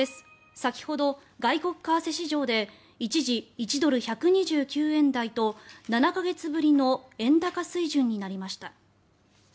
先ほど外国為替市場で一時１ドル＝１２９円台と７か月ぶりの円高水準になりました。